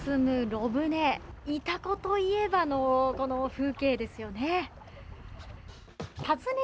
潮来といえばのこの風景ですよね。